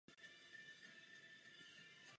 To snižuje nutnost cestování astronomů.